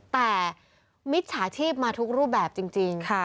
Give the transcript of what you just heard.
แต่มิจฉาชีพมาทุกรูปแบบจริง